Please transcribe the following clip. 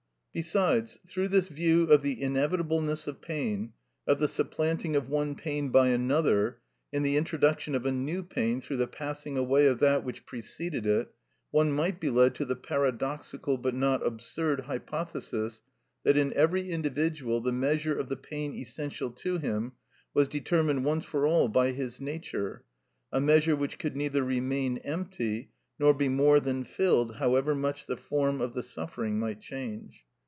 Besides, through this view of the inevitableness of pain, of the supplanting of one pain by another, and the introduction of a new pain through the passing away of that which preceded it, one might be led to the paradoxical but not absurd hypothesis, that in every individual the measure of the pain essential to him was determined once for all by his nature, a measure which could neither remain empty, nor be more than filled, however much the form of the suffering might change.